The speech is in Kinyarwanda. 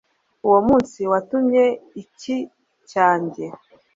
uwo munsi watumye icyi cyanjye